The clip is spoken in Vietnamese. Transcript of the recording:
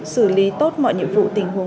xử lý tốt mọi nhiệm vụ tình huống